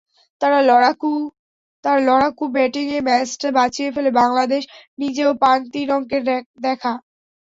তাঁর লড়াকু ব্যাটিংয়ে ম্যাচটা বাঁচিয়ে ফেলে বাংলাদেশ, নিজেও পান তিন অঙ্কের দেখা।